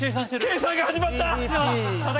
計算が始まった！